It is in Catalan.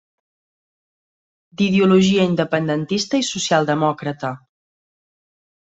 D'ideologia independentista i socialdemòcrata.